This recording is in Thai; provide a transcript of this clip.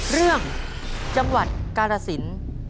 เรื่องจังหวัดกาลสิน